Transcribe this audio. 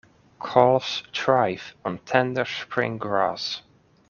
Calves thrive on tender spring grass.